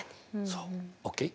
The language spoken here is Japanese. そう。ＯＫ？